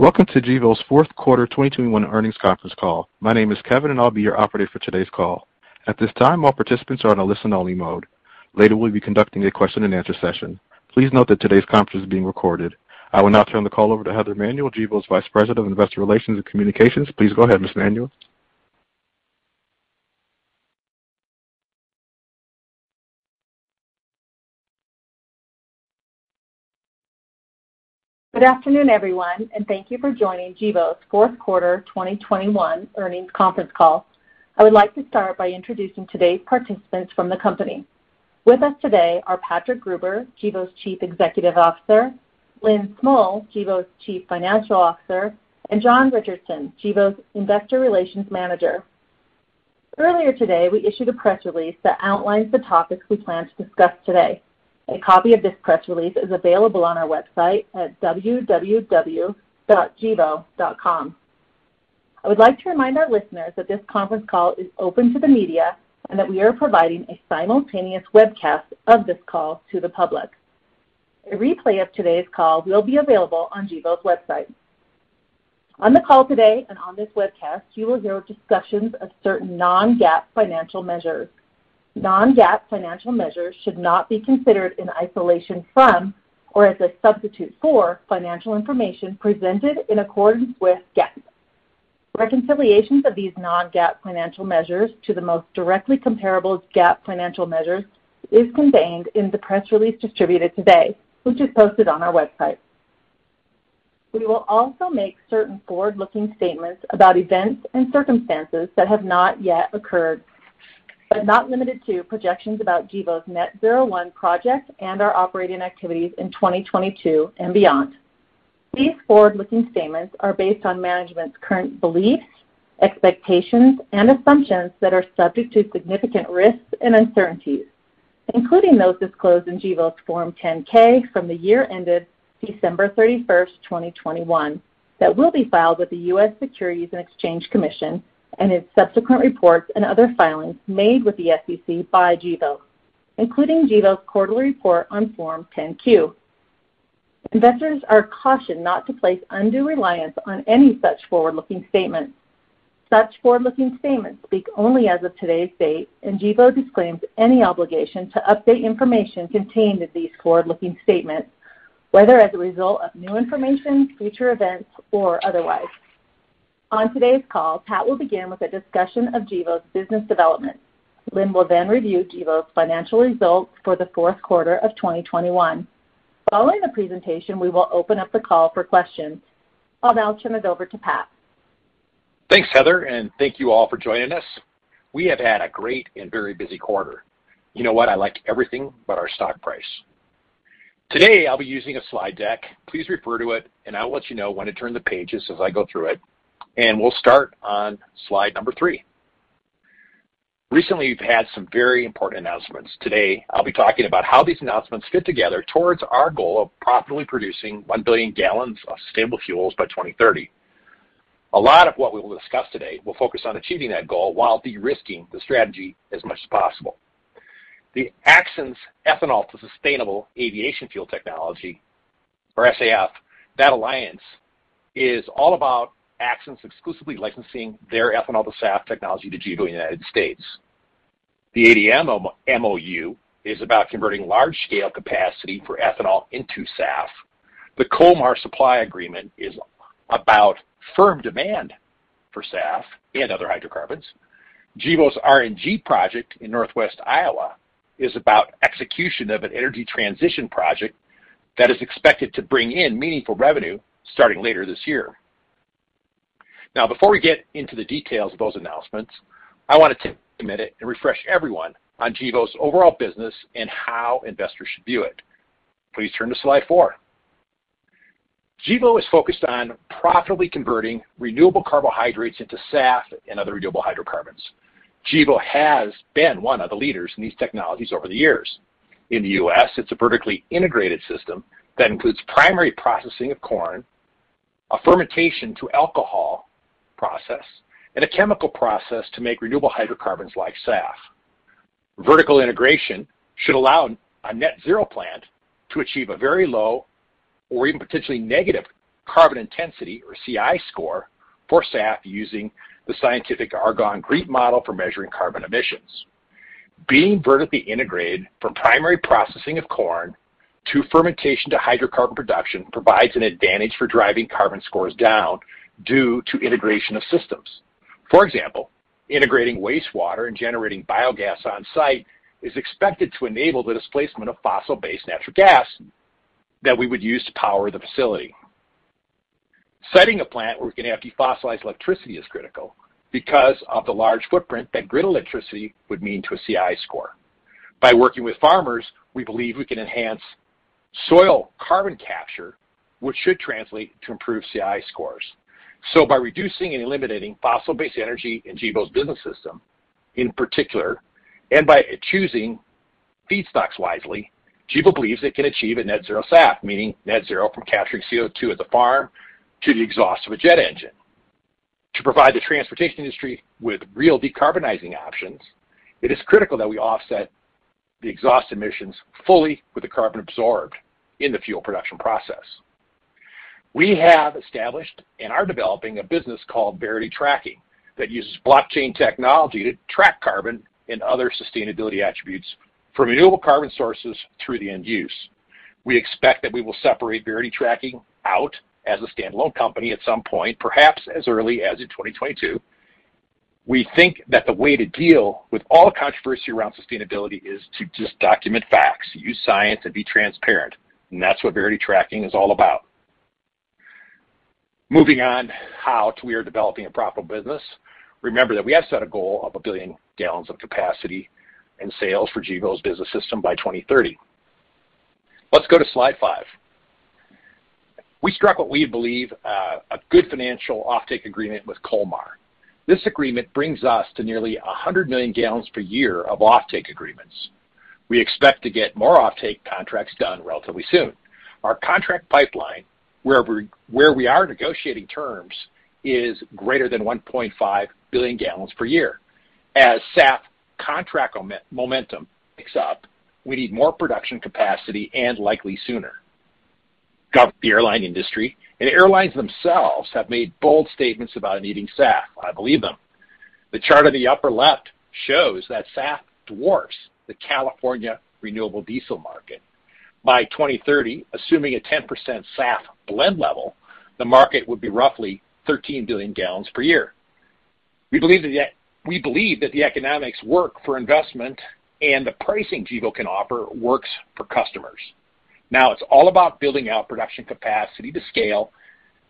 Welcome to Gevo's fourth quarter 2021 earnings conference call. My name is Kevin, and I'll be your operator for today's call. At this time, all participants are on a listen-only mode. Later, we'll be conducting a question-and-answer session. Please note that today's conference is being recorded. I will now turn the call over to Heather Manuel, Gevo's Vice President of Investor Relations and Communications. Please go ahead, Ms. Manuel. Good afternoon, everyone, and thank you for joining Gevo's fourth quarter 2021 earnings conference call. I would like to start by introducing today's participants from the company. With us today are Patrick Gruber, Gevo's Chief Executive Officer, Lynn Smull, Gevo's Chief Financial Officer, and John Richardson, Gevo's Investor Relations Manager. Earlier today, we issued a press release that outlines the topics we plan to discuss today. A copy of this press release is available on our website at www.gevo.com. I would like to remind our listeners that this conference call is open to the media and that we are providing a simultaneous webcast of this call to the public. A replay of today's call will be available on Gevo's website. On the call today, and on this webcast, you will hear discussions of certain non-GAAP financial measures. Non-GAAP financial measures should not be considered in isolation from or as a substitute for financial information presented in accordance with GAAP. Reconciliations of these non-GAAP financial measures to the most directly comparable GAAP financial measures is contained in the press release distributed today, which is posted on our website. We will also make certain forward-looking statements about events and circumstances that have not yet occurred, but not limited to projections about Gevo's Net-Zero 1 projects and our operating activities in 2022 and beyond. These forward-looking statements are based on management's current beliefs, expectations and assumptions that are subject to significant risks and uncertainties, including those disclosed in Gevo's Form 10-K for the year ended December 31, 2021, that will be filed with the U.S. Securities and Exchange Commission and its subsequent reports and other filings made with the SEC by Gevo, including Gevo's quarterly report on Form 10-Q. Investors are cautioned not to place undue reliance on any such forward-looking statements. Such forward-looking statements speak only as of today's date, and Gevo disclaims any obligation to update information contained in these forward-looking statements, whether as a result of new information, future events or otherwise. On today's call, Pat will begin with a discussion of Gevo's business development. Lynn will then review Gevo's financial results for the fourth quarter of 2021. Following the presentation, we will open up the call for questions. I'll now turn it over to Pat. Thanks, Heather, and thank you all for joining us. We have had a great and very busy quarter. You know what? I like everything but our stock price. Today, I'll be using a slide deck. Please refer to it, and I'll let you know when to turn the pages as I go through it. We'll start on slide number 3. Recently, we've had some very important announcements. Today, I'll be talking about how these announcements fit together towards our goal of profitably producing 1 billion gallons of sustainable fuels by 2030. A lot of what we will discuss today will focus on achieving that goal while de-risking the strategy as much as possible. The Axens ethanol-to-sustainable aviation fuel technology or SAF, that alliance is all about Axens exclusively licensing their ethanol-to-SAF technology to Gevo in the United States. The ADM MOU is about converting large scale capacity for ethanol into SAF. The Kolmar supply agreement is about firm demand for SAF and other hydrocarbons. Gevo's RNG project in Northwest Iowa is about execution of an energy transition project that is expected to bring in meaningful revenue starting later this year. Now, before we get into the details of those announcements, I wanna take a minute and refresh everyone on Gevo's overall business and how investors should view it. Please turn to slide four. Gevo is focused on profitably converting renewable carbohydrates into SAF and other renewable hydrocarbons. Gevo has been one of the leaders in these technologies over the years. In the U.S., it's a vertically integrated system that includes primary processing of corn, a fermentation to alcohol process, and a chemical process to make renewable hydrocarbons like SAF. Vertical integration should allow a net zero plant to achieve a very low or even potentially negative carbon intensity, or CI score, for SAF using the scientific Argonne GREET model for measuring carbon emissions. Being vertically integrated from primary processing of corn to fermentation to hydrocarbon production provides an advantage for driving carbon scores down due to integration of systems. For example, integrating wastewater and generating biogas on-site is expected to enable the displacement of fossil-based natural gas that we would use to power the facility. Siting a plant where we can have defossilized electricity is critical because of the large footprint that grid electricity would mean to a CI score. By working with farmers, we believe we can enhance soil carbon capture, which should translate to improved CI scores. By reducing and eliminating fossil-based energy in Gevo's business system, in particular, and by choosing feedstocks wisely, Gevo believes it can achieve a net zero SAF, meaning net zero from capturing CO2 at the farm to the exhaust of a jet engine. To provide the transportation industry with real decarbonizing options, it is critical that we offset the exhaust emissions fully with the carbon absorbed in the fuel production process. We have established and are developing a business called Verity Tracking that uses blockchain technology to track carbon and other sustainability attributes from renewable carbon sources through the end use. We expect that we will separate Verity Tracking out as a standalone company at some point, perhaps as early as in 2022. We think that the way to deal with all the controversy around sustainability is to just document facts, use science, and be transparent, and that's what Verity Tracking is all about. Moving on, how we are developing a profitable business. Remember that we have set a goal of 1 billion gallons of capacity and sales for Gevo's business system by 2030. Let's go to slide 5. We struck what we believe a good financial offtake agreement with Kolmar. This agreement brings us to nearly 100 million gallons per year of offtake agreements. We expect to get more offtake contracts done relatively soon. Our contract pipeline, where we are negotiating terms, is greater than 1.5 billion gallons per year. As SAF contract momentum picks up, we need more production capacity and likely sooner. Government, the airline industry, and airlines themselves have made bold statements about needing SAF. I believe them. The chart on the upper left shows that SAF dwarfs the California renewable diesel market. By 2030, assuming a 10% SAF blend level, the market would be roughly 13 billion gallons per year. We believe that the economics work for investment and the pricing Gevo can offer works for customers. Now it's all about building out production capacity to scale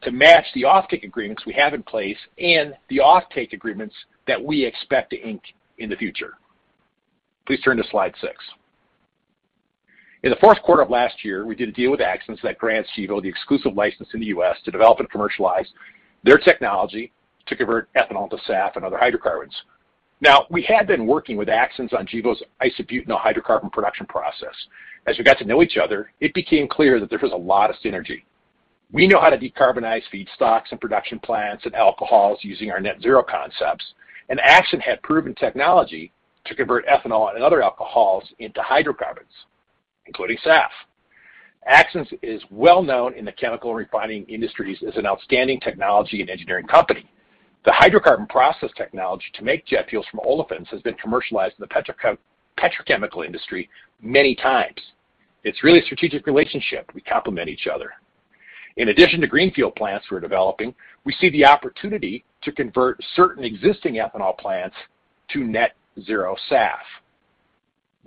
to match the offtake agreements we have in place and the offtake agreements that we expect to ink in the future. Please turn to slide six. In the fourth quarter of last year, we did a deal with Axens that grants Gevo the exclusive license in the U.S. to develop and commercialize their technology to convert ethanol to SAF and other hydrocarbons. Now, we had been working with Axens on Gevo's isobutanol hydrocarbon production process. As we got to know each other, it became clear that there was a lot of synergy. We know how to decarbonize feedstocks and production plants and alcohols using our net zero concepts, and Axens had proven technology to convert ethanol and other alcohols into hydrocarbons, including SAF. Axens is well known in the chemical refining industries as an outstanding technology and engineering company. The hydrocarbon process technology to make jet fuels from olefins has been commercialized in the petrochemical industry many times. It's really a strategic relationship. We complement each other. In addition to greenfield plants we're developing, we see the opportunity to convert certain existing ethanol plants to net zero SAF.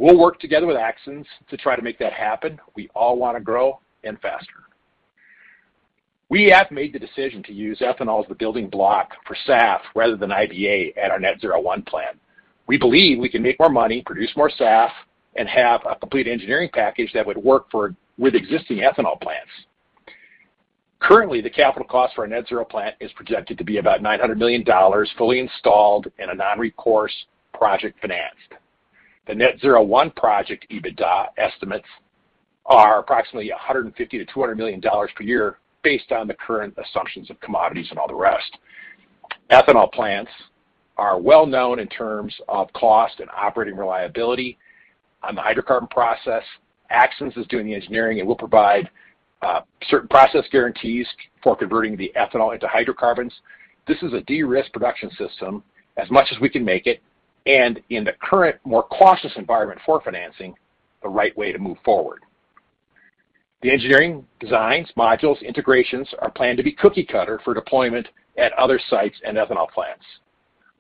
We'll work together with Axens to try to make that happen. We all wanna grow and faster. We have made the decision to use ethanol as the building block for SAF rather than IBA at our Net-Zero 1 plant. We believe we can make more money, produce more SAF, and have a complete engineering package that would work with existing ethanol plants. Currently, the capital cost for a Net-Zero 1 plant is projected to be about $900 million, fully installed in a non-recourse project finance. The Net-Zero 1 project EBITDA estimates are approximately $150 million-$200 million per year based on the current assumptions of commodities and all the rest. Ethanol plants are well known in terms of cost and operating reliability. On the hydrocarbon process, Axens is doing the engineering, and we'll provide certain process guarantees for converting the ethanol into hydrocarbons. This is a de-risk production system as much as we can make it, and in the current, more cautious environment for financing, the right way to move forward. The engineering designs, modules, integrations are planned to be cookie-cutter for deployment at other sites and ethanol plants.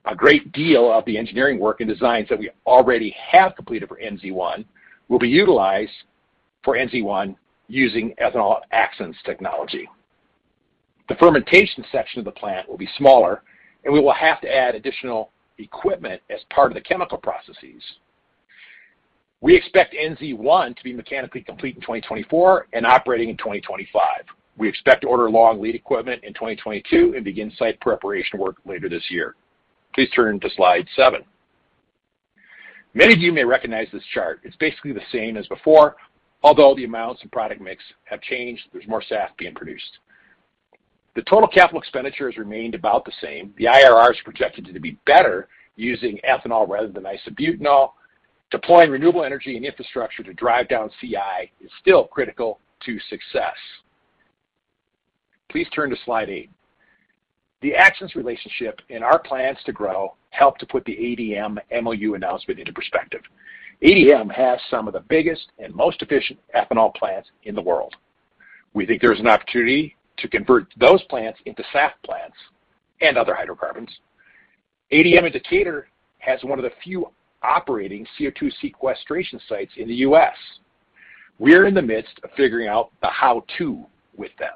A great deal of the engineering work and designs that we already have completed for NZ1 will be utilized for NZ1 using ethanol Axens technology. The fermentation section of the plant will be smaller, and we will have to add additional equipment as part of the chemical processes. We expect NZ1 to be mechanically complete in 2024 and operating in 2025. We expect to order long lead equipment in 2022 and begin site preparation work later this year. Please turn to slide 7. Many of you may recognize this chart. It's basically the same as before, although the amounts and product mix have changed. There's more SAF being produced. The total capital expenditure has remained about the same. The IRR is projected to be better using ethanol rather than isobutanol. Deploying renewable energy and infrastructure to drive down CI is still critical to success. Please turn to slide eight. The Axens relationship and our plans to grow help to put the ADM MOU announcement into perspective. ADM has some of the biggest and most efficient ethanol plants in the world. We think there's an opportunity to convert those plants into SAF plants and other hydrocarbons. ADM in Decatur has one of the few operating CO2 sequestration sites in the U.S. We're in the midst of figuring out the how-to with them.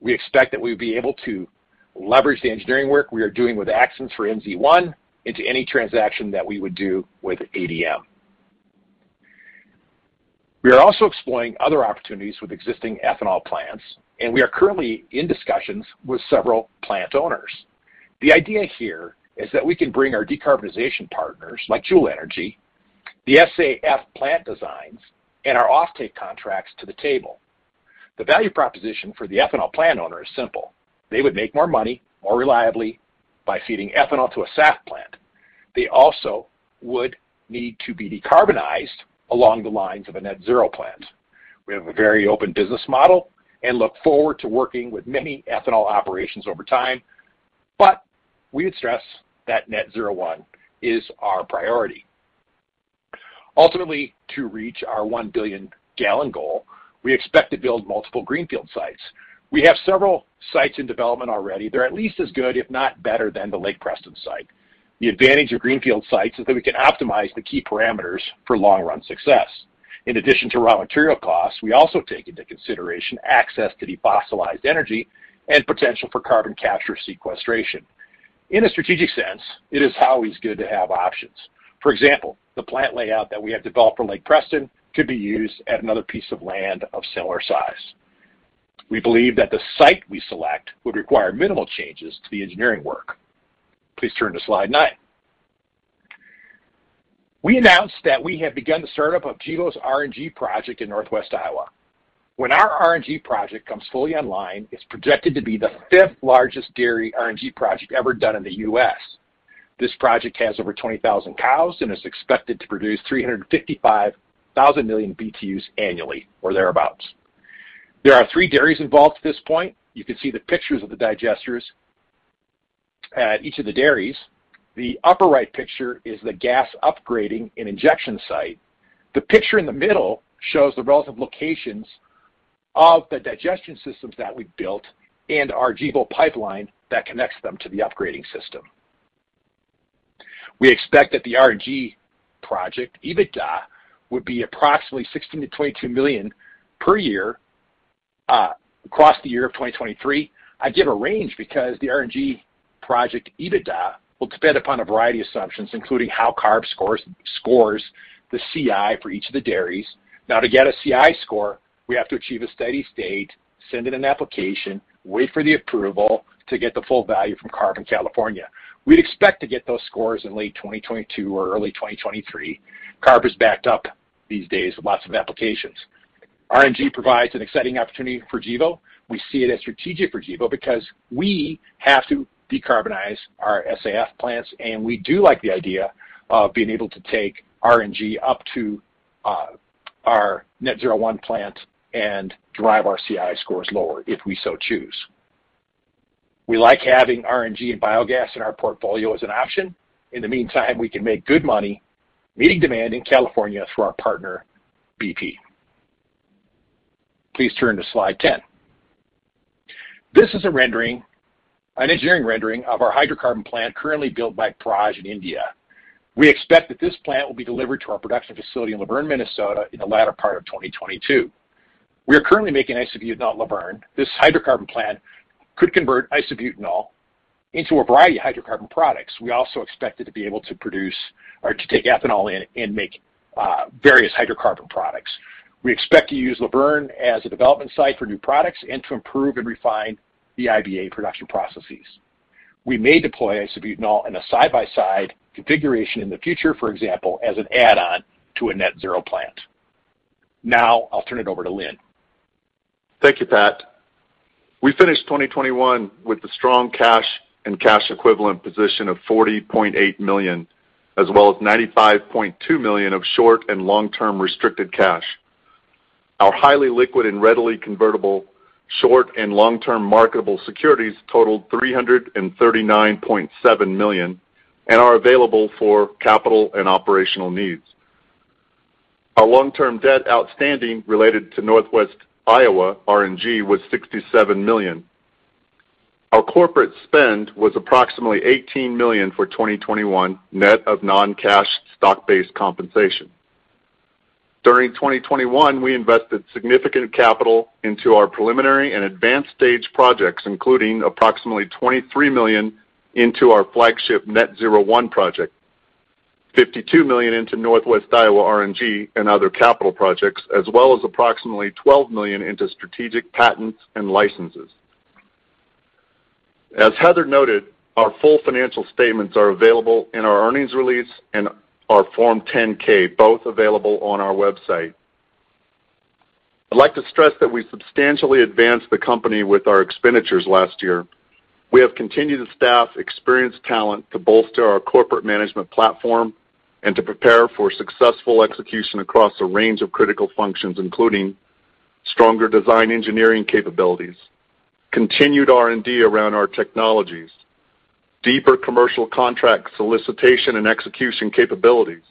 We expect that we'll be able to leverage the engineering work we are doing with Axens for NZ1 into any transaction that we would do with ADM. We are also exploring other opportunities with existing ethanol plants, and we are currently in discussions with several plant owners. The idea here is that we can bring our decarbonization partners, like Juhl Energy, the SAF plant designs, and our offtake contracts to the table. The value proposition for the ethanol plant owner is simple. They would make more money more reliably by feeding ethanol to a SAF plant. They also would need to be decarbonized along the lines of a net zero plant. We have a very open business model and look forward to working with many ethanol operations over time, but we would stress that Net-Zero 1 is our priority. Ultimately, to reach our 1 billion gallon goal, we expect to build multiple greenfield sites. We have several sites in development already. They're at least as good, if not better than the Lake Preston site. The advantage of greenfield sites is that we can optimize the key parameters for long-run success. In addition to raw material costs, we also take into consideration access to defossilized energy and potential for carbon capture sequestration. In a strategic sense, it is always good to have options. For example, the plant layout that we have developed for Lake Preston could be used at another piece of land of similar size. We believe that the site we select would require minimal changes to the engineering work. Please turn to slide nine. We announced that we have begun the startup of Gevo's RNG project in Northwest Iowa. When our RNG project comes fully online, it's projected to be the fifth-largest dairy RNG project ever done in the U.S. This project has over 20,000 cows and is expected to produce 355,000 million BTUs annually or thereabouts. There are three dairies involved at this point. You can see the pictures of the digesters at each of the dairies. The upper right picture is the gas upgrading and injection site. The picture in the middle shows the relative locations of the digestion systems that we built and our Gevo pipeline that connects them to the upgrading system. We expect that the RNG project EBITDA would be approximately $16 million-$22 million per year across the year of 2023. I give a range because the RNG project EBITDA will depend upon a variety of assumptions, including how CARB scores the CI for each of the dairies. Now, to get a CI score, we have to achieve a steady state, send in an application, wait for the approval to get the full value from CARB in California. We'd expect to get those scores in late 2022 or early 2023. CARB is backed up these days with lots of applications. RNG provides an exciting opportunity for Gevo. We see it as strategic for Gevo because we have to decarbonize our SAF plants, and we do like the idea of being able to take RNG up to our Net-Zero 1 plant and drive our CI scores lower if we so choose. We like having RNG and biogas in our portfolio as an option. In the meantime, we can make good money meeting demand in California through our partner BP. Please turn to slide 10. This is a rendering, an engineering rendering of our hydrocarbon plant currently built by Praj in India. We expect that this plant will be delivered to our production facility in Luverne, Minnesota, in the latter part of 2022. We are currently making isobutanol in Luverne. This hydrocarbon plant could convert isobutanol into a variety of hydrocarbon products. We also expect it to be able to produce or to take ethanol in and make various hydrocarbon products. We expect to use Luverne as a development site for new products and to improve and refine the IBA production processes. We may deploy isobutanol in a side-by-side configuration in the future, for example, as an add-on to a net zero plant. Now I'll turn it over to Lynn. Thank you, Pat. We finished 2021 with a strong cash and cash equivalent position of $40.8 million, as well as $95.2 million of short- and long-term restricted cash. Our highly liquid and readily convertible short- and long-term marketable securities totaled $339.7 million and are available for capital and operational needs. Our long-term debt outstanding related to Northwest Iowa RNG was $67 million. Our corporate spend was approximately $18 million for 2021, net of non-cash stock-based compensation. During 2021, we invested significant capital into our preliminary and advanced stage projects, including approximately $23 million into our flagship Net-Zero 1 project, $52 million into Northwest Iowa RNG and other capital projects, as well as approximately $12 million into strategic patents and licenses. As Heather noted, our full financial statements are available in our earnings release and our Form 10-K, both available on our website. I'd like to stress that we substantially advanced the company with our expenditures last year. We have continued to staff experienced talent to bolster our corporate management platform and to prepare for successful execution across a range of critical functions, including stronger design engineering capabilities, continued R&D around our technologies, deeper commercial contract solicitation and execution capabilities,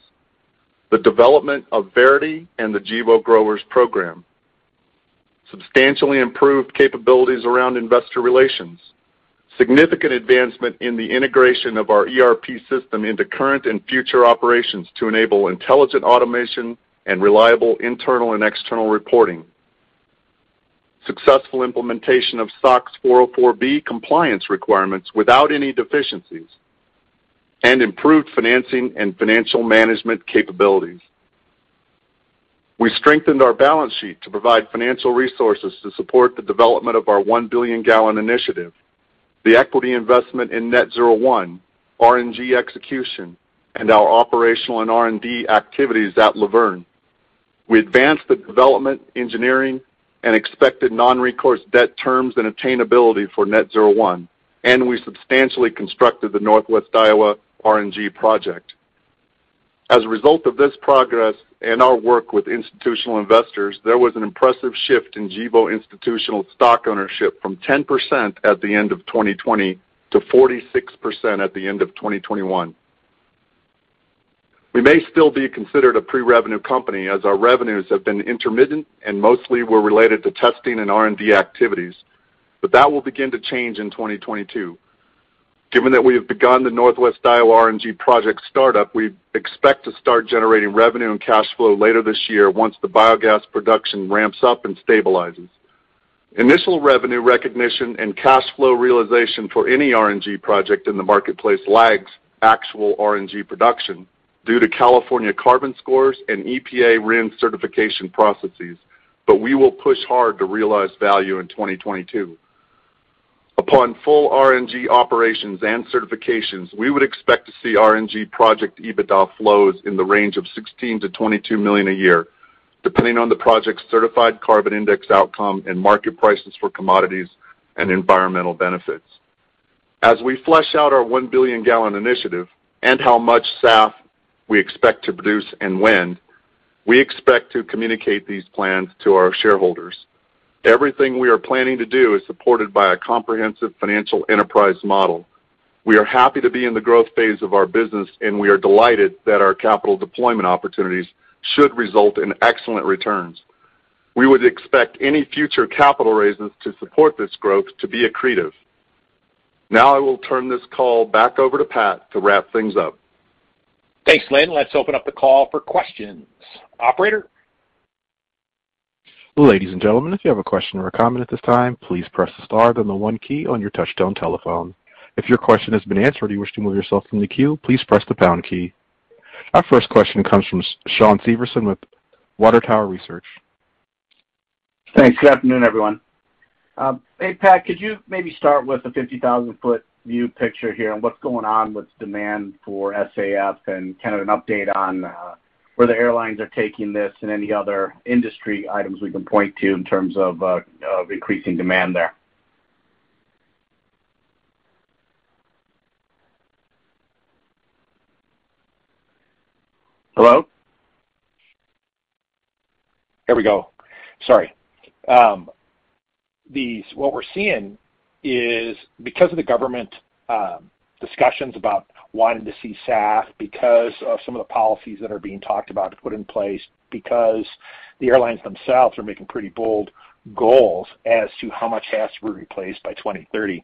the development of Verity and the Gevo Growers program, substantially improved capabilities around investor relations, significant advancement in the integration of our ERP system into current and future operations to enable intelligent automation and reliable internal and external reporting, successful implementation of SOX 404(b) compliance requirements without any deficiencies, and improved financing and financial management capabilities. We strengthened our balance sheet to provide financial resources to support the development of our 1 billion gallon initiative, the equity investment in Net-Zero 1, RNG execution, and our operational and R&D activities at Luverne. We advanced the development, engineering, and expected non-recourse debt terms and attainability for Net-Zero 1, and we substantially constructed the Northwest Iowa RNG project. As a result of this progress and our work with institutional investors, there was an impressive shift in Gevo institutional stock ownership from 10% at the end of 2020 to 46% at the end of 2021. We may still be considered a pre-revenue company as our revenues have been intermittent and mostly were related to testing and R&D activities, but that will begin to change in 2022. Given that we have begun the Northwest Iowa RNG project startup, we expect to start generating revenue and cash flow later this year once the biogas production ramps up and stabilizes. Initial revenue recognition and cash flow realization for any RNG project in the marketplace lags actual RNG production due to California carbon scores and EPA RIN certification processes, but we will push hard to realize value in 2022. Upon full RNG operations and certifications, we would expect to see RNG project EBITDA flows in the range of $16 million-$22 million a year, depending on the project's certified carbon index outcome and market prices for commodities and environmental benefits. As we flesh out our 1 billion gallon initiative and how much SAF we expect to produce and when, we expect to communicate these plans to our shareholders. Everything we are planning to do is supported by a comprehensive financial enterprise model. We are happy to be in the growth phase of our business, and we are delighted that our capital deployment opportunities should result in excellent returns. We would expect any future capital raises to support this growth to be accretive. Now I will turn this call back over to Pat to wrap things up. Thanks, Lynn. Let's open up the call for questions. Operator? Our first question comes from Shawn Severson with Water Tower Research. Thanks. Good afternoon, everyone. Hey, Pat, could you maybe start with the 50,000-foot view picture here on what's going on with demand for SAF and kind of an update on where the airlines are taking this and any other industry items we can point to in terms of increasing demand there? Hello? There we go. Sorry. What we're seeing is because of the government discussions about wanting to see SAF, because of some of the policies that are being talked about to put in place, because the airlines themselves are making pretty bold goals as to how much SAFs will be replaced by 2030,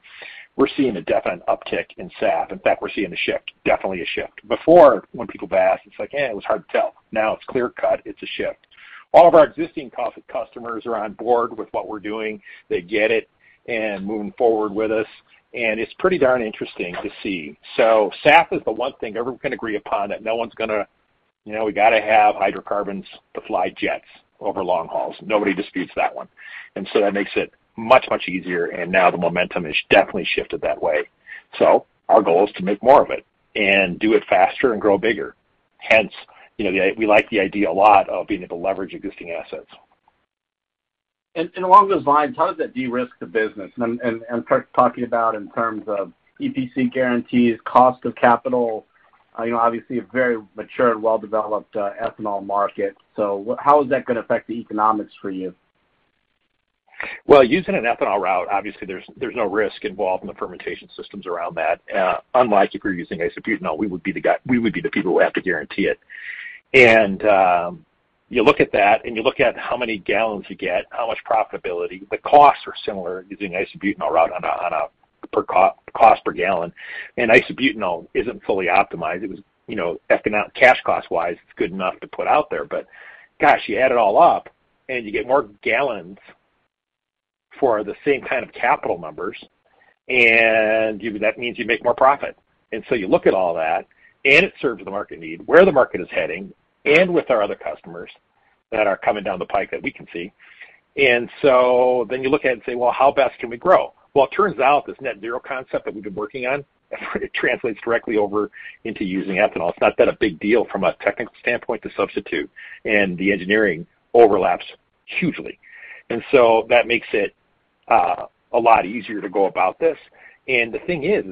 we're seeing a definite uptick in SAF. In fact, we're seeing a shift, definitely a shift. Before, when people have asked, it's like, it was hard to tell. Now it's clear cut. It's a shift. All of our existing customers are on board with what we're doing. They get it and moving forward with us, and it's pretty darn interesting to see. SAF is the one thing everyone can agree upon that no one's gonna. You know, we gotta have hydrocarbons to fly jets over long hauls. Nobody disputes that one. That makes it much, much easier, and now the momentum has definitely shifted that way. Our goal is to make more of it and do it faster and grow bigger. Hence, you know, we like the idea a lot of being able to leverage existing assets. Along those lines, how does that de-risk the business? Talking about in terms of EPC guarantees, cost of capital, you know, obviously a very mature and well-developed ethanol market. How is that gonna affect the economics for you? Well, using an ethanol route, obviously, there's no risk involved in the fermentation systems around that, unlike if you're using isobutanol, we would be the people who have to guarantee it. You look at that, and you look at how many gallons you get, how much profitability. The costs are similar using isobutanol route on a per cost per gallon. Isobutanol isn't fully optimized. It was, you know, econo-cash cost-wise, it's good enough to put out there. Gosh, you add it all up, and you get more gallons for the same kind of capital numbers, and that means you make more profit. You look at all that, and it serves the market need, where the market is heading, and with our other customers that are coming down the pike that we can see. You look at it and say, "Well, how fast can we grow?" Well, it turns out this Net-Zero concept that we've been working on translates directly over into using ethanol. It's not been a big deal from a technical standpoint to substitute, and the engineering overlaps hugely. That makes it a lot easier to go about this. The thing is,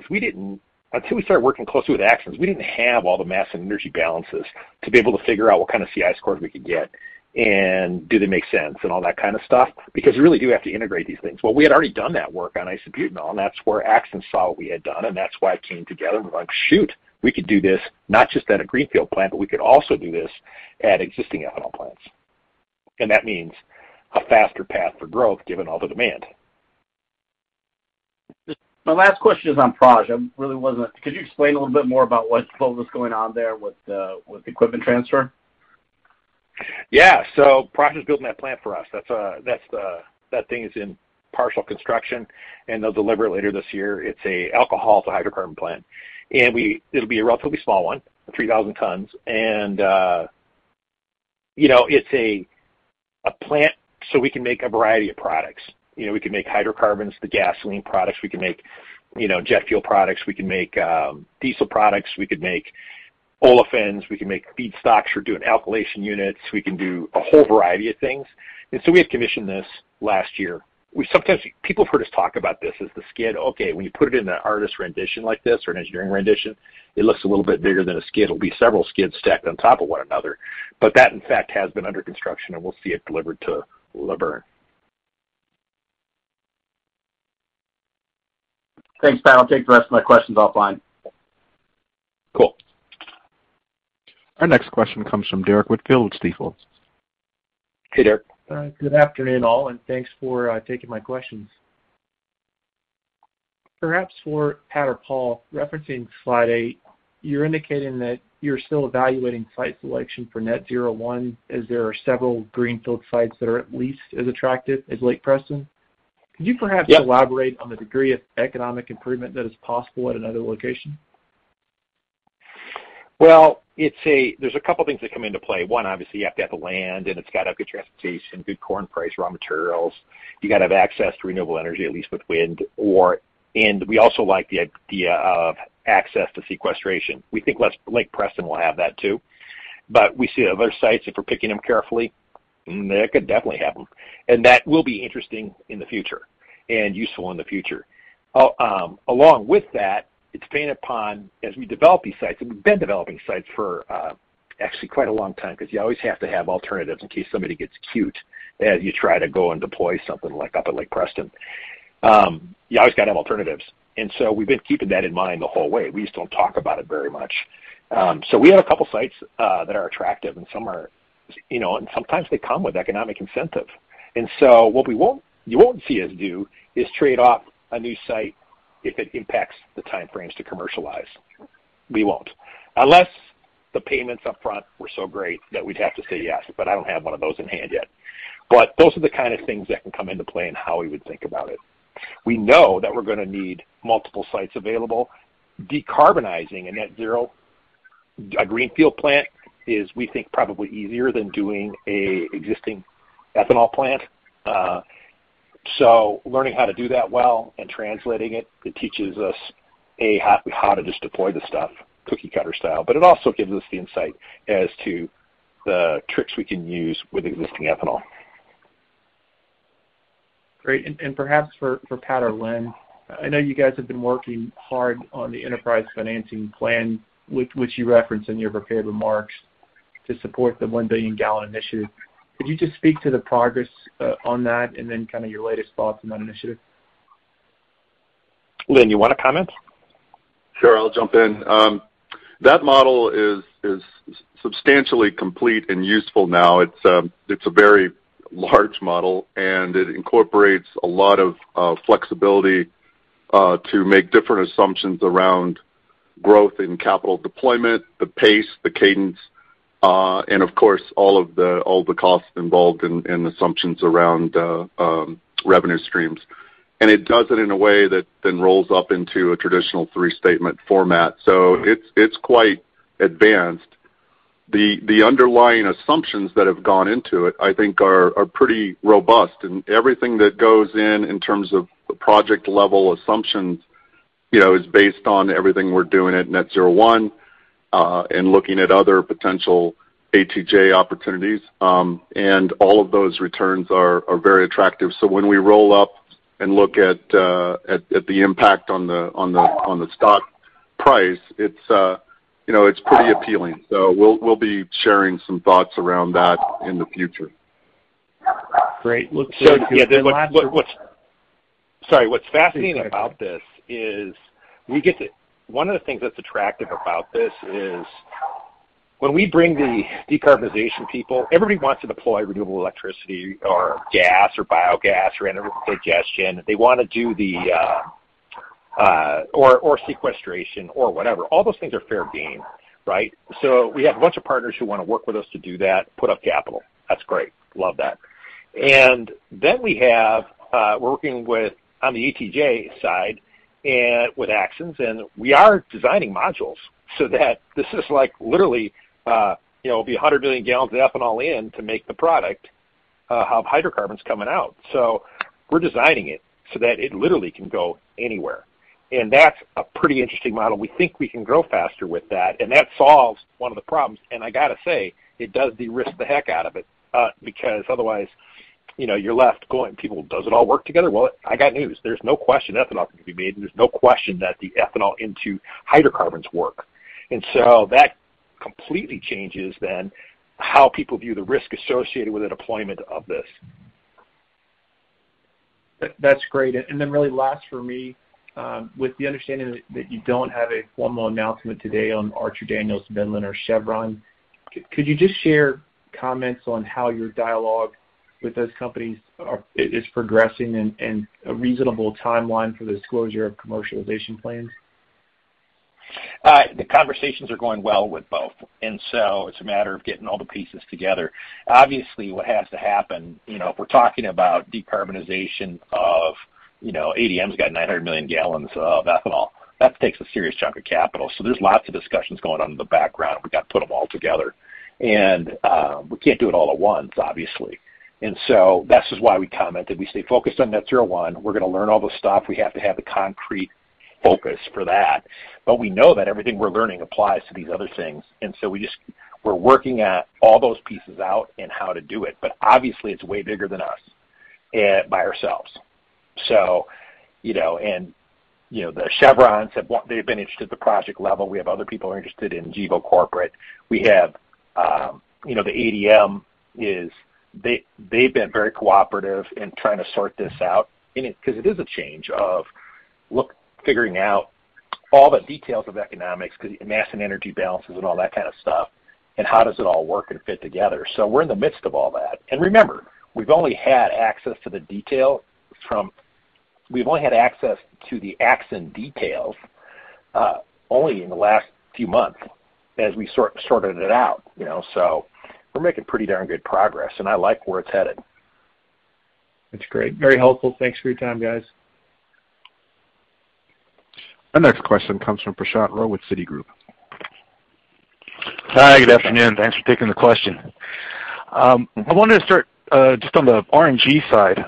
until we started working closely with Axens, we didn't have all the mass and energy balances to be able to figure out what kind of CI scores we could get, and do they make sense and all that kind of stuff because you really do have to integrate these things. Well, we had already done that work on isobutanol, and that's where Axens saw what we had done, and that's why it came together. We're like, shoot, we could do this not just at a greenfield plant, but we could also do this at existing ethanol plants. That means a faster path for growth given all the demand. Just my last question is on Praj. Could you explain a little bit more about what was going on there with equipment transfer? Yeah. Praj is building that plant for us. That's the thing in partial construction, and they'll deliver it later this year. It's an alcohol-to-hydrocarbon plant, and it'll be a relatively small one, 3,000 tons. You know, it's a plant so we can make a variety of products. You know, we can make hydrocarbons, the gasoline products. We can make jet fuel products. We can make diesel products. We could make olefins. We can make feedstocks. We're doing alkylation units. We can do a whole variety of things. We have commissioned this last year. People have heard us talk about this as the skid. Okay, when you put it in the artist's rendition like this or an engineering rendition, it looks a little bit bigger than a skid. It'll be several skids stacked on top of one another. That, in fact, has been under construction, and we'll see it delivered to Luverne. Thanks, Pat. I'll take the rest of my questions offline. Cool. Our next question comes from Derrick Whitfield with Stifel. Hey, Derrick. Good afternoon, all, and thanks for taking my questions. Perhaps for Pat or Paul, referencing slide eight, you're indicating that you're still evaluating site selection for Net-Zero 1, as there are several greenfield sites that are at least as attractive as Lake Preston. Could you perhaps- Yep. Elaborate on the degree of economic improvement that is possible at another location? Well, there's a couple things that come into play. One, obviously, you have to have the land, and it's got to have good transportation, good corn price, raw materials. You got to have access to renewable energy, at least with wind or and we also like the idea of access to sequestration. We think Lake Preston will have that too. We see other sites, if we're picking them carefully, that could definitely have them. That will be interesting in the future and useful in the future. Along with that, it's dependent upon as we develop these sites, and we've been developing sites for actually quite a long time because you always have to have alternatives in case somebody gets cute as you try to go and deploy something like up at Lake Preston. You always got to have alternatives. We've been keeping that in mind the whole way. We just don't talk about it very much. We have a couple of sites that are attractive and some are. Sometimes they come with economic incentive. What you won't see us do is trade off a new site if it impacts the time frames to commercialize. We won't. Unless the payments up front were so great that we'd have to say yes, but I don't have one of those in hand yet. Those are the kind of things that can come into play in how we would think about it. We know that we're gonna need multiple sites available. Decarbonizing a Net-Zero, a greenfield plant is, we think, probably easier than doing an existing ethanol plant. learning how to do that well and translating it teaches us how to just deploy the stuff cookie-cutter style. It also gives us the insight as to the tricks we can use with existing ethanol. Great. Perhaps for Pat or Lynn, I know you guys have been working hard on the enterprise financing plan, which you referenced in your prepared remarks, to support the 1 billion gallon initiative. Could you just speak to the progress on that and then kind of your latest thoughts on that initiative? Lynn, you want to comment? Sure. I'll jump in. That model is substantially complete and useful now. It's a very large model, and it incorporates a lot of flexibility to make different assumptions around growth in capital deployment, the pace, the cadence, and of course, all the costs involved and assumptions around revenue streams. It does it in a way that then rolls up into a traditional three-statement format. It's quite advanced. The underlying assumptions that have gone into it, I think are pretty robust. Everything that goes in in terms of the project level assumptions, you know, is based on everything we're doing at Net-Zero 1, and looking at other potential ATJ opportunities. All of those returns are very attractive. When we roll up and look at the impact on the stock price, it's you know, it's pretty appealing. We'll be sharing some thoughts around that in the future. Great. Looks like we have one last. What's fascinating about this is one of the things that's attractive about this is when we bring the decarbonization people, everybody wants to deploy renewable electricity or gas or biogas or anaerobic digestion. They want to do the or sequestration or whatever. All those things are fair game, right? We have a bunch of partners who want to work with us to do that, put up capital. That's great. Love that. We're working on the ATJ side and with Axens, and we are designing modules so that this is like literally, it'll be 100 million gallons of ethanol in to make the product have hydrocarbons coming out. We're designing it so that it literally can go anywhere. That's a pretty interesting model. We think we can grow faster with that, and that solves one of the problems. I got to say, it does de-risk the heck out of it, because otherwise, you know, you're left going, people, does it all work together? Well, I got news. There's no question ethanol can be made, and there's no question that the ethanol into hydrocarbons work. That completely changes then how people view the risk associated with the deployment of this. That's great. Really last for me, with the understanding that you don't have a formal announcement today on Archer Daniels Midland or Chevron, could you just share comments on how your dialogue with those companies is progressing and a reasonable timeline for the disclosure of commercialization plans? The conversations are going well with both, and so it's a matter of getting all the pieces together. Obviously, what has to happen, you know, if we're talking about decarbonization of you know, ADM's got 900 million gallons of ethanol. That takes a serious chunk of capital. There's lots of discussions going on in the background. We've got to put them all together. We can't do it all at once, obviously. That's just why we commented, we stay focused on Net-Zero 1. We're gonna learn all the stuff. We have to have the concrete focus for that. We know that everything we're learning applies to these other things. We're working all those pieces out and how to do it. Obviously, it's way bigger than us by ourselves. You know, Chevron they've been interested at the project level. We have other people are interested in Gevo corporate. We have, you know, the ADM, they've been very cooperative in trying to sort this out because it is a change in scope figuring out all the details of economics because mass and energy balances and all that kind of stuff, and how does it all work and fit together. We're in the midst of all that. Remember, we've only had access to the asset details only in the last few months as we sorted it out, you know. We're making pretty darn good progress, and I like where it's headed. That's great. Very helpful. Thanks for your time, guys. Our next question comes from Prashant Rao with Citigroup. Hi. Good afternoon. Thanks for taking the question. I wanted to start just on the RNG side.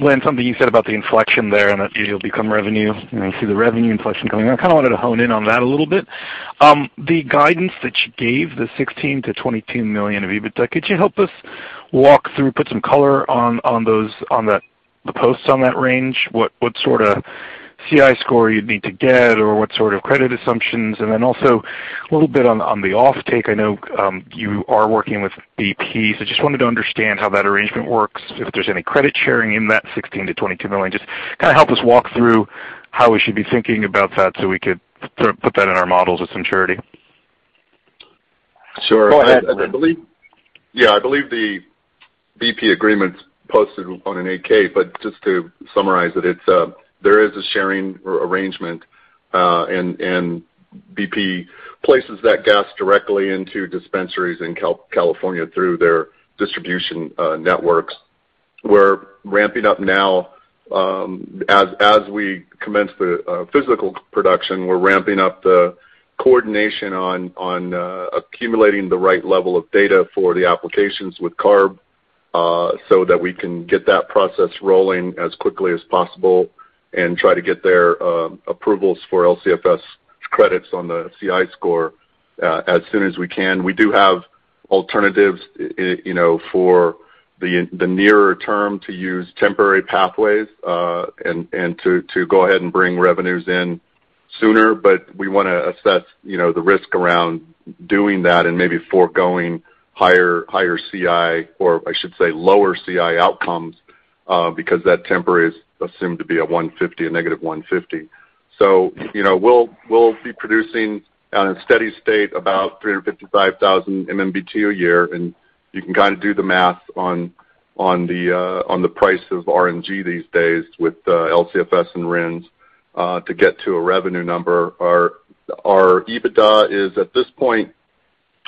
Lynn, something you said about the inflection there, and it'll become revenue, and I see the revenue inflection coming. I kind of wanted to hone in on that a little bit. The guidance that you gave, the $16 million-$22 million of EBITDA, could you help us walk through, put some color on those endpoints of that range. What sort of CI score you'd need to get or what sort of credit assumptions. And then also a little bit on the offtake. I know you are working with BP. So just wanted to understand how that arrangement works, if there's any credit sharing in that $16 million-$22 million. Just kinda help us walk through how we should be thinking about that so we could sort of put that in our models with some surety. Sure. Go ahead, Lynn. I believe. Yeah, I believe the BP agreement's posted on an 8-K, but just to summarize it's there is a sharing arrangement, and BP places that gas directly into dispensaries in California through their distribution networks. We're ramping up now, as we commence the physical production, we're ramping up the coordination on accumulating the right level of data for the applications with CARB, so that we can get that process rolling as quickly as possible and try to get their approvals for LCFS credits on the CI score as soon as we can. We do have alternatives, you know, for the nearer term to use temporary pathways, and to go ahead and bring revenues in sooner. We wanna assess, you know, the risk around doing that and maybe foregoing higher CI, or I should say lower CI outcomes, because that temporary is assumed to be a 150, a -150. You know, we'll be producing on a steady state about 355,000 MMBtu a year, and you can kinda do the math on the price of RNG these days with LCFS and RINs to get to a revenue number. Our EBITDA is at this point,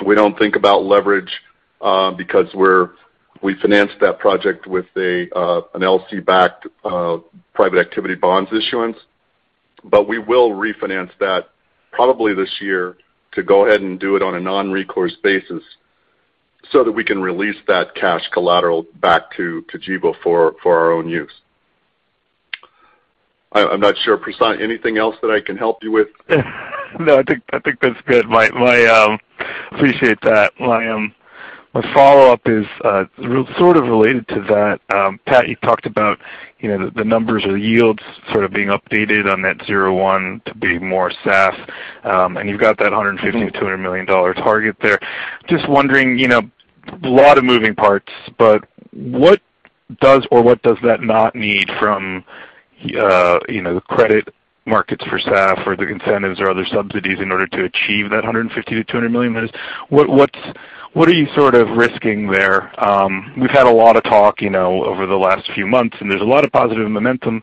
we don't think about leverage, because we financed that project with an LC-backed private activity bonds issuance. We will refinance that probably this year to go ahead and do it on a non-recourse basis so that we can release that cash collateral back to Gevo for our own use. I'm not sure, Prashant, anything else that I can help you with? No, I think that's good. Appreciate that. My follow-up is sort of related to that. Pat, you talked about, you know, the numbers or yields sort of being updated on Net-Zero 1 to be more SAF, and you've got that $150 million-$200 million target there. Just wondering, you know, a lot of moving parts, but what does that not need from, you know, the credit markets for SAF or the incentives or other subsidies in order to achieve that $150 million-$200 million? What are you sort of risking there? We've had a lot of talk, you know, over the last few months, and there's a lot of positive momentum.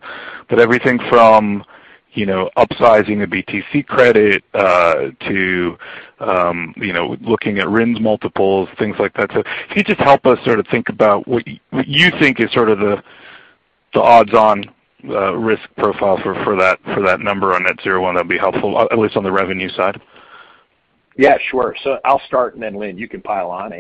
Everything from, you know, upsizing a BTC credit, to, you know, looking at RINs multiples, things like that. Can you just help us sort of think about what you think is sort of the odds on risk profile for that number on Net-Zero 1? That'd be helpful, at least on the revenue side. Yeah, sure. I'll start, and then Lynn, you can pile on.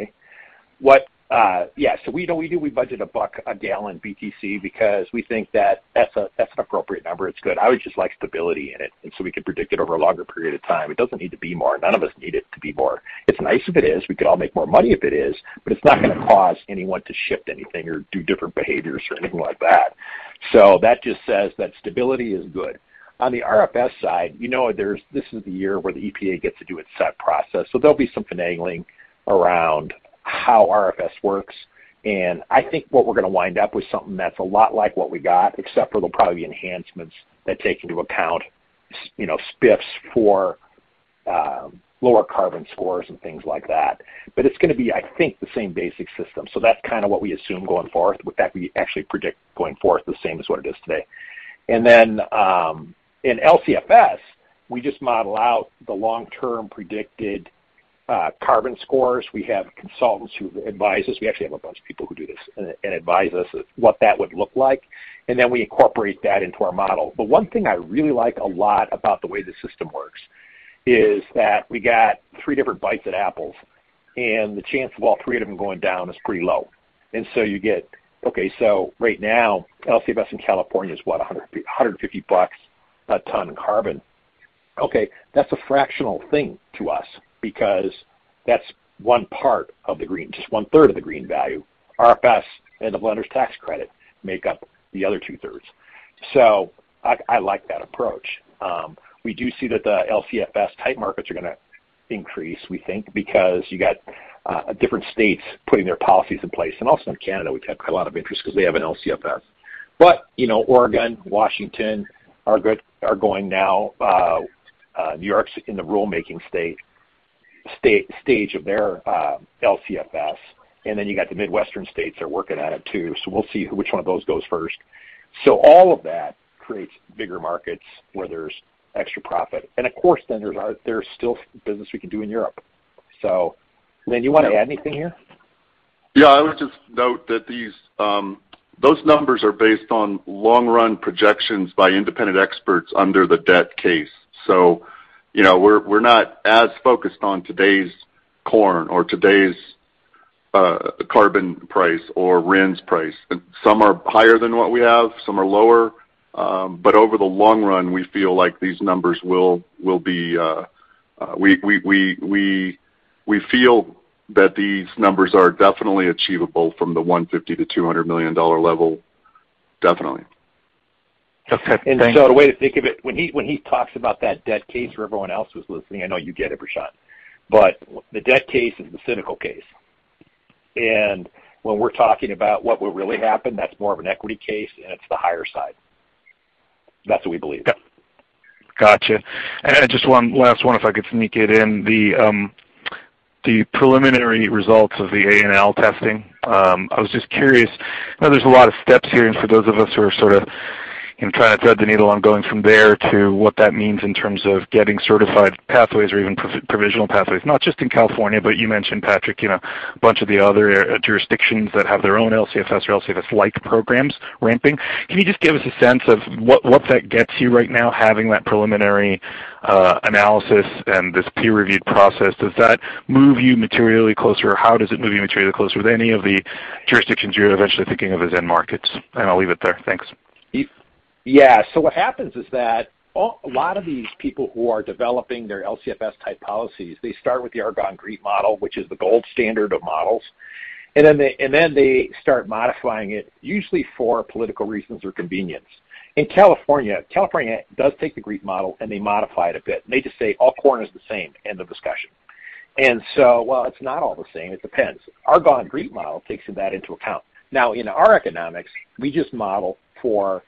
We budget $1 a gallon BTC because we think that's an appropriate number. It's good. I would just like stability in it, and we can predict it over a longer period of time. It doesn't need to be more. None of us need it to be more. It's nice if it is. We could all make more money if it is, but it's not gonna cause anyone to shift anything or do different behaviors or anything like that. That just says that stability is good. On the RFS side, you know, this is the year where the EPA gets to do its set process. There'll be some finagling around how RFS works. I think what we're gonna wind up with something that's a lot like what we got, except there'll probably be enhancements that take into account, you know, spiffs for lower carbon scores and things like that. It's gonna be, I think, the same basic system. That's kinda what we assume going forth. With that, we actually predict going forth the same as what it is today. Then in LCFS, we just model out the long-term predicted Carbon scores. We have consultants who advise us. We actually have a bunch of people who do this and advise us of what that would look like, and then we incorporate that into our model. One thing I really like a lot about the way the system works is that we got three different bites at apples, and the chance of all three of them going down is pretty low. Okay, right now, LCFS in California is, what, $150 a ton in carbon. Okay, that's a fractional thing to us because that's one part of the green, just one-third of the green value. RFS and the blender's tax credit make up the other two-thirds. I like that approach. We do see that the LCFS-type markets are gonna increase, we think, because you got different states putting their policies in place. Also in Canada, we've had a lot of interest 'cause they have an LCFS. You know, Oregon, Washington are going now. New York's in the rulemaking stage of their LCFS. Then you got the Midwestern states are working at it, too. We'll see which one of those goes first. All of that creates bigger markets where there's extra profit. Of course, then there's still business we can do in Europe. Lynn, do you want to add anything here? Yeah. I would just note that these those numbers are based on long-run projections by independent experts under the base case. You know, we're not as focused on today's corn or today's carbon price or RINs price. Some are higher than what we have, some are lower. Over the long run, we feel that these numbers are definitely achievable from the $150 million-$200 million level. Definitely. Okay, thank you. The way to think of it, when he talks about that debt case for everyone else who's listening, I know you get it, Prashant Rao, but the debt case is the cynical case. When we're talking about what will really happen, that's more of an equity case, and it's the higher side. That's what we believe. Gotcha. Just one last one, if I could sneak it in. The preliminary results of the ANL testing, I was just curious. I know there's a lot of steps here, and for those of us who are sorta, you know, trying to thread the needle on going from there to what that means in terms of getting certified pathways or even pro-provisional pathways, not just in California, but you mentioned, Patrick, you know, a bunch of the other jurisdictions that have their own LCFS or LCFS-like programs ramping. Can you just give us a sense of what that gets you right now, having that preliminary analysis and this peer-reviewed process? Does that move you materially closer, or how does it move you materially closer with any of the jurisdictions you're eventually thinking of as end markets? I'll leave it there. Thanks. Yeah. What happens is that a lot of these people who are developing their LCFS-type policies, they start with the Argonne GREET model, which is the gold standard of models. Then they start modifying it, usually for political reasons or convenience. In California does take the GREET model, and they modify it a bit, and they just say, "All corn is the same, end of discussion." While it's not all the same, it depends. Argonne GREET model takes that into account. Now, in our economics, we just model for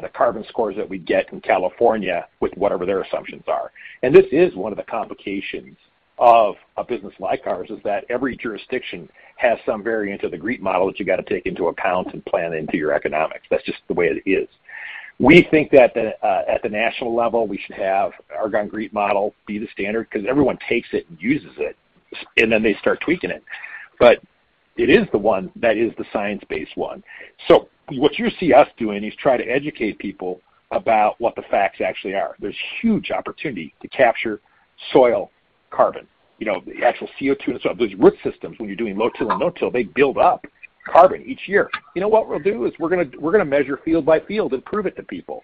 the carbon scores that we get in California with whatever their assumptions are. This is one of the complications of a business like ours, is that every jurisdiction has some variant of the GREET model that you got to take into account and plan into your economics. That's just the way it is. We think that at the national level, we should have Argonne GREET model be the standard because everyone takes it and uses it, and then they start tweaking it. It is the one that is the science-based one. What you see us doing is try to educate people about what the facts actually are. There's huge opportunity to capture soil carbon. You know, the actual CO2 and stuff. Those root systems, when you're doing no-till, they build up carbon each year. You know what we'll do is we're gonna measure field by field and prove it to people.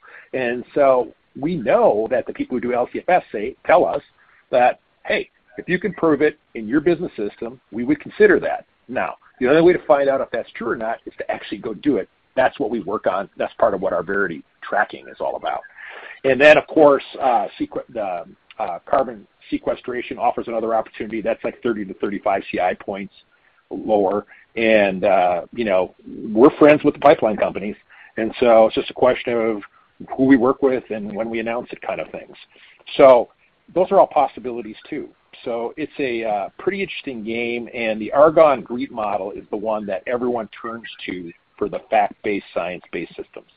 We know that the people who do LCFS, they tell us that, "Hey, if you can prove it in your business system, we would consider that." Now, the only way to find out if that's true or not is to actually go do it. That's what we work on. That's part of what our Verity Tracking is all about. Of course, carbon sequestration offers another opportunity. That's like 30-35 CI points lower. You know, we're friends with the pipeline companies, and so it's just a question of who we work with and when we announce it kind of things. Those are all possibilities, too. It's a pretty interesting game, and the Argonne GREET model is the one that everyone turns to for the fact-based, science-based systems.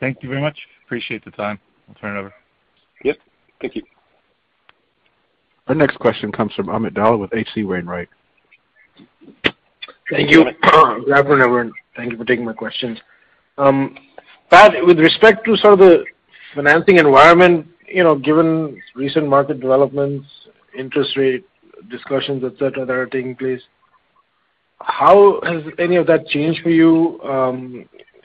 Thank you very much. Appreciate the time. I'll turn it over. Yep. Thank you. Our next question comes from Amit Dayal with H.C. Wainwright. Thank you. Thank you for taking my questions. Pat, with respect to some of the financing environment, you know, given recent market developments, interest rate discussions, et cetera, that are taking place, how has any of that changed for you?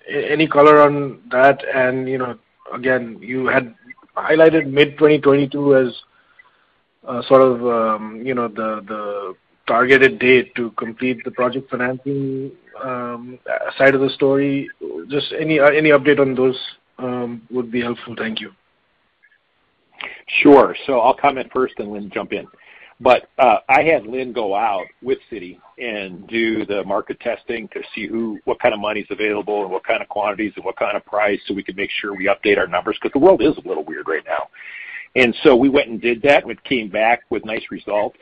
Any color on that? You know, again, you had highlighted mid-2022 as sort of, you know, the targeted date to complete the project financing side of the story. Just any update on those would be helpful. Thank you. Sure. I'll comment first and Lynn jump in. I had Lynn go out with Citi and do the market testing to see what kind of money's available and what kind of quantities and what kind of price, so we could make sure we update our numbers, because the world is a little weird right now. We went and did that. We came back with nice results.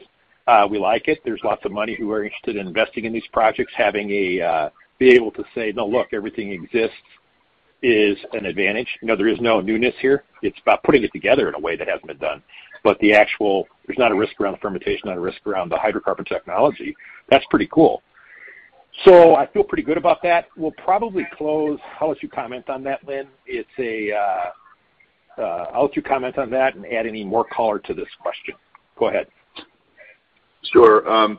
We like it. There's lots of money who are interested in investing in these projects, having the ability to say, "Now, look, everything exists." It is an advantage. You know, there is no newness here. It's about putting it together in a way that hasn't been done. The actual there's not a risk around the fermentation, not a risk around the hydrocarbon technology. That's pretty cool. I feel pretty good about that. We'll probably close. I'll let you comment on that and add any more color to this question. Go ahead. Sure.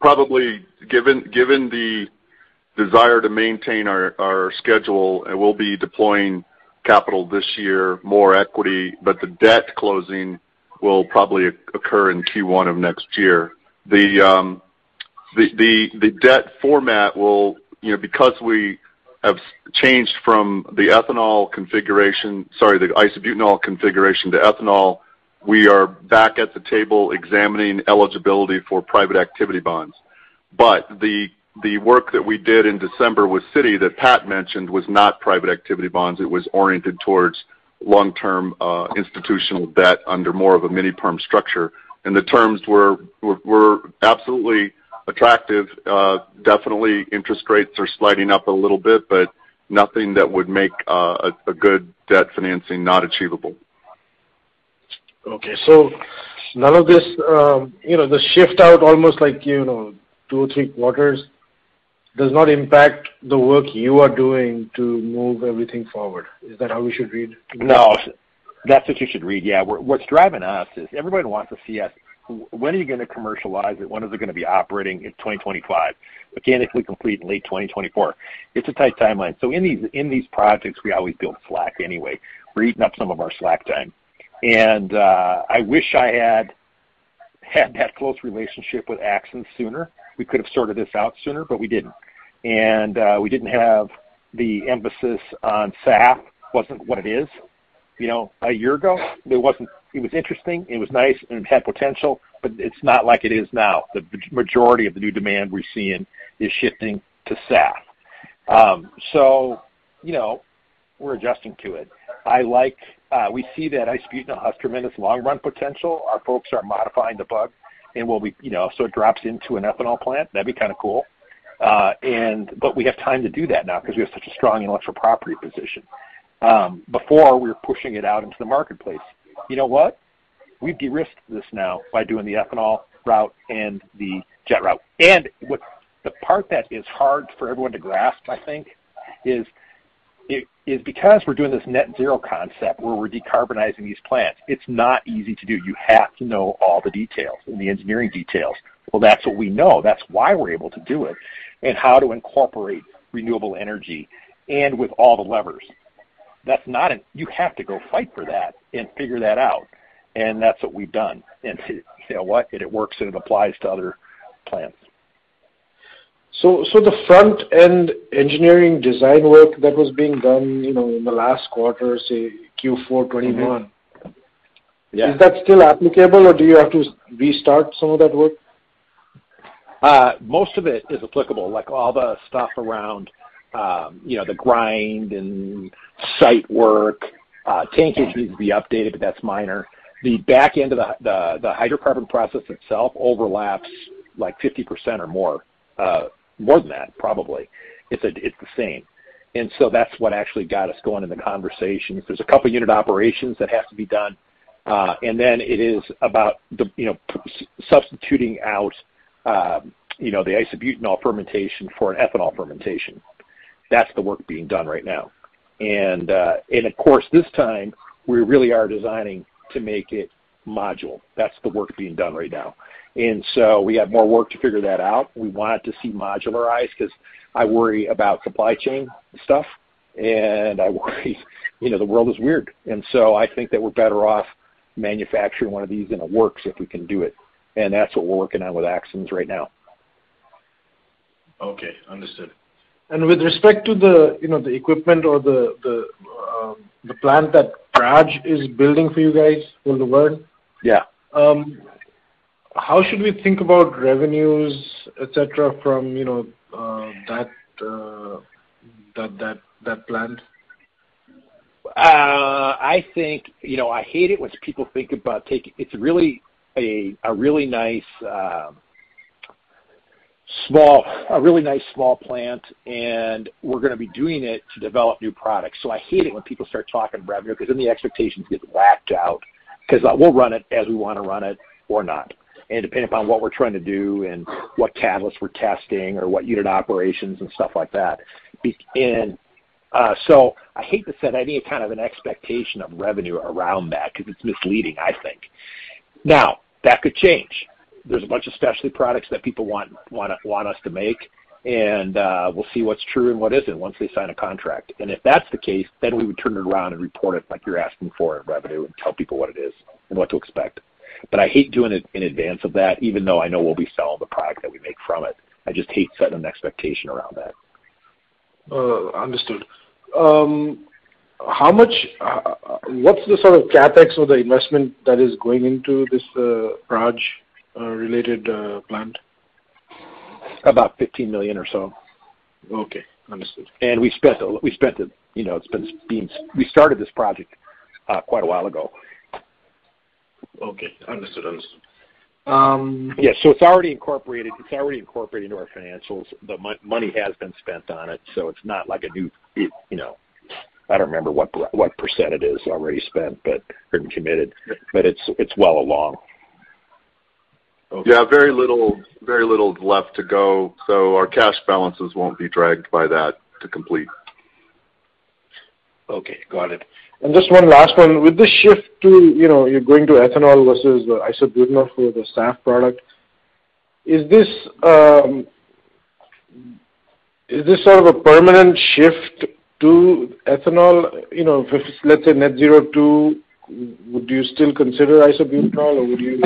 Probably given the desire to maintain our schedule, we'll be deploying capital this year, more equity, but the debt closing will probably occur in Q1 of next year. You know, because we have changed from the ethanol configuration, sorry, the isobutanol configuration to ethanol, we are back at the table examining eligibility for private activity bonds. The work that we did in December with Citi that Pat mentioned was not private activity bonds. It was oriented towards long-term institutional debt under more of a mini-perm structure. The terms were absolutely attractive. Definitely interest rates are sliding up a little bit, but nothing that would make a good debt financing not achievable. Okay. None of this, you know, the shift out almost like, you know, 2 or 3 quarters does not impact the work you are doing to move everything forward. Is that how we should read? No. That's what you should read, yeah. What's driving us is everybody wants to see us. When are you gonna commercialize it? When is it gonna be operating? It's 2025. Again, if we complete in late 2024, it's a tight timeline. In these projects, we always build slack anyway. We're eating up some of our slack time. I wish I had that close relationship with Axens sooner. We could have sorted this out sooner, but we didn't. We didn't have the emphasis on SAF, wasn't what it is. You know, a year ago, there wasn't. It was interesting, and it was nice, and it had potential, but it's not like it is now. The majority of the new demand we're seeing is shifting to SAF. You know, we're adjusting to it. I like... We see that isobutanol has tremendous long-run potential. Our folks are modifying the bug, you know, so it drops into an ethanol plant. That'd be kinda cool. But we have time to do that now 'cause we have such a strong intellectual property position. Before we were pushing it out into the marketplace. You know what? We de-risked this now by doing the ethanol route and the jet route. The part that is hard for everyone to grasp, I think, is because we're doing this net zero concept where we're decarbonizing these plants, it's not easy to do. You have to know all the details and the engineering details. Well, that's what we know. That's why we're able to do it and how to incorporate renewable energy with all the levers. You have to go fight for that and figure that out. That's what we've done. You know what? It works, and it applies to other plants. the front-end engineering design work that was being done, you know, in the last quarter, say Q4 2021- Yeah. Is that still applicable, or do you have to restart some of that work? Most of it is applicable, like all the stuff around, you know, the grading and site work, tankage needs to be updated, but that's minor. The back end of the hydrocarbon process itself overlaps like 50% or more, more than that probably. It's the same. That's what actually got us going in the conversation. There's a couple unit operations that have to be done, and then it is about the, you know, substituting out, you know, the isobutanol fermentation for an ethanol fermentation. That's the work being done right now. Of course, this time, we really are designing to make it modular. That's the work being done right now. We have more work to figure that out. We want it to see modularized 'cause I worry about supply chain stuff, and I worry. You know, the world is weird. So I think that we're better off manufacturing one of these in the works if we can do it. That's what we're working on with Axens right now. Okay. Understood. With respect to the, you know, the equipment or the plant that Praj is building for you guys, Net-Zero 1. Yeah. How should we think about revenues, et cetera, from, you know, that plant? I think you know, I hate it when people think about taking. It's really a really nice small plant, and we're gonna be doing it to develop new products. I hate it when people start talking revenue because then the expectations get whacked out 'cause we'll run it as we wanna run it or not, depending upon what we're trying to do and what catalyst we're testing or what unit operations and stuff like that. I hate to set any kind of an expectation of revenue around that 'cause it's misleading, I think. Now, that could change. There's a bunch of specialty products that people want us to make, and we'll see what's true and what isn't once we sign a contract. If that's the case, then we would turn it around and report it like you're asking for in revenue and tell people what it is and what to expect. I hate doing it in advance of that, even though I know we'll be selling the product that we make from it. I just hate setting an expectation around that. Understood. How much, what's the sort of CapEx or the investment that is going into this Praj-related plant? About $15 million or so. Okay. Understood. We spent it. You know, it's been being. We started this project quite a while ago. Okay. Understood. Yeah. It's already incorporated into our financials. The money has been spent on it, so it's not like a new, you know, I don't remember what percentage it is already spent, but it's been committed. Yeah. It's well along. Okay. Yeah. Very little left to go. Our cash balances won't be dragged by that to complete. Okay. Got it. Just one last one. With the shift to, you know, you're going to ethanol versus isobutanol for the SAF product, is this sort of a permanent shift to ethanol? You know, if it's, let's say, Net-Zero 2, would you still consider isobutanol, or would you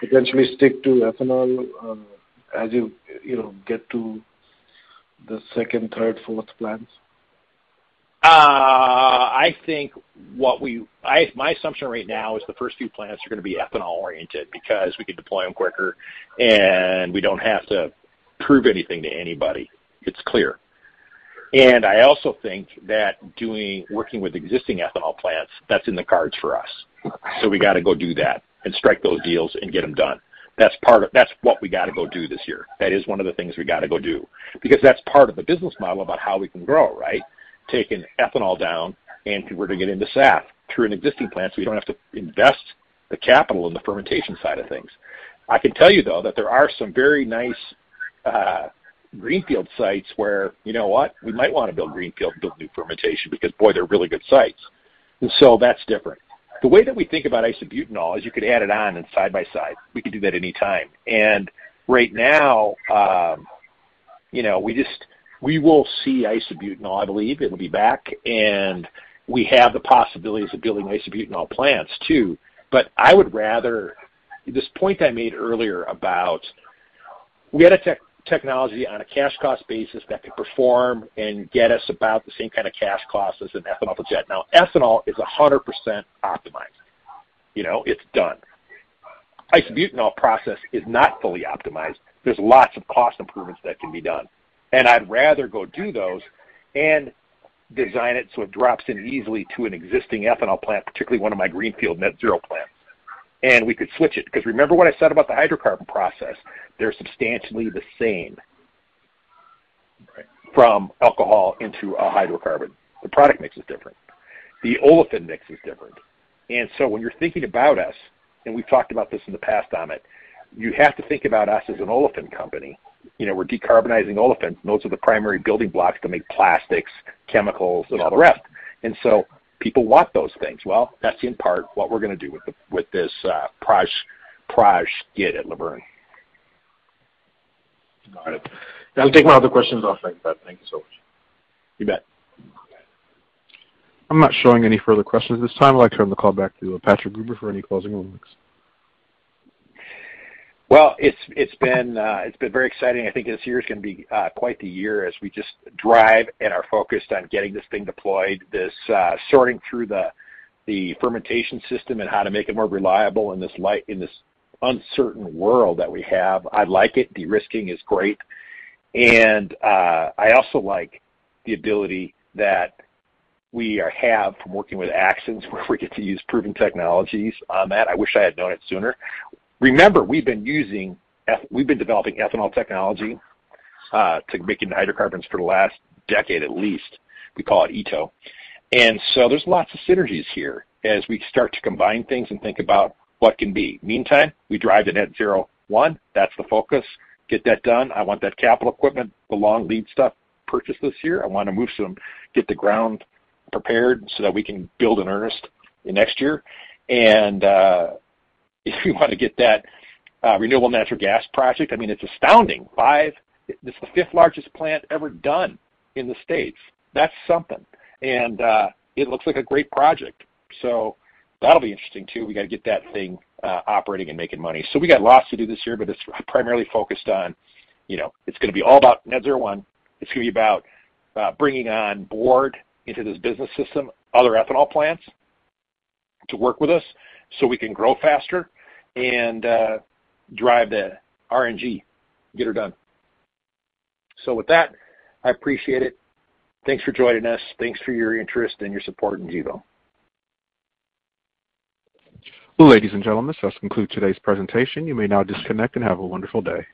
potentially stick to ethanol, as you know, get to the second, third, fourth plants? I think my assumption right now is the first few plants are gonna be ethanol oriented because we can deploy them quicker, and we don't have to prove anything to anybody. It's clear. I also think that working with existing ethanol plants, that's in the cards for us. We gotta go do that and strike those deals and get them done. That's what we gotta go do this year. That is one of the things we gotta go do because that's part of the business model about how we can grow, right? Taking ethanol down and converting it into SAF through an existing plant, so we don't have to invest the capital in the fermentation side of things. I can tell you, though, that there are some very nice greenfield sites where, you know what, we might wanna build greenfield, build new fermentation because, boy, they're really good sites. That's different. The way that we think about isobutanol is you could add it on and side by side. We could do that anytime. Right now, you know, we will see isobutanol, I believe. It'll be back. We have the possibilities of building isobutanol plants too. But I would rather. This point I made earlier about we had a technology on a cash cost basis that could perform and get us about the same kind of cash costs as an ethanol project. Now ethanol is 100% optimized, you know? It's done. Isobutanol process is not fully optimized. There's lots of cost improvements that can be done, and I'd rather go do those and design it so it drops in easily to an existing ethanol plant, particularly one of my greenfield net zero plants. We could switch it because remember what I said about the hydrocarbon process, they're substantially the same. Right from alcohol into a hydrocarbon. The product mix is different. The olefin mix is different. When you're thinking about us, and we've talked about this in the past, Amit, you have to think about us as an olefin company. You know, we're decarbonizing olefins. Those are the primary building blocks that make plastics, chemicals, and all the rest. People want those things. Well, that's in part what we're gonna do with this project skid at Luverne. Got it. I'll take my other questions offline, Pat. Thank you so much. You bet. I'm not showing any further questions at this time. I'd like to turn the call back to Patrick Gruber for any closing remarks. Well, it's been very exciting. I think this year's gonna be quite the year as we just drive and are focused on getting this thing deployed, sorting through the fermentation system and how to make it more reliable in this uncertain world that we have. I like it. De-risking is great. I also like the ability that we have from working with Axens where we get to use proven technologies, Amit. I wish I had known it sooner. Remember, we've been developing ethanol technology to make into hydrocarbons for the last decade at least. We call it ETO. There's lots of synergies here as we start to combine things and think about what can be. Meantime, we drive the Net-Zero 1. That's the focus. Get that done. I want that capital equipment, the long lead stuff purchased this year. I wanna move some, get the ground prepared so that we can build in earnest in next year. If you wanna get that renewable natural gas project, I mean, it's astounding. It's the fifth-largest plant ever done in the States. That's something. It looks like a great project. That'll be interesting too. We gotta get that thing operating and making money. We got lots to do this year, but it's primarily focused on, you know, it's gonna be all about Net-Zero 1. It's gonna be about bringing on board into this business system other ethanol plants to work with us, so we can grow faster and drive the RNG, get her done. With that, I appreciate it. Thanks for joining us. Thanks for your interest and your support in Gevo. Well, ladies and gentlemen, this does conclude today's presentation. You may now disconnect and have a wonderful day.